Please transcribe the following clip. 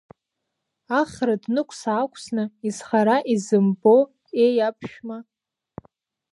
Ахра днықәс-аақәсны, изхара изымбо еи, аԥшәма!